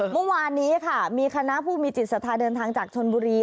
มุมวานนี้คะมีคณะผู้มีจิตศาสน์เดินทางจากชนบุรี